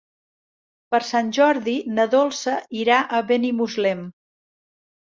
Per Sant Jordi na Dolça irà a Benimuslem.